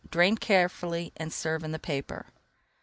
Drain carefully and serve in the paper.